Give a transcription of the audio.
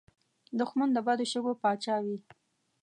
دښمن د بد شګو پاچا وي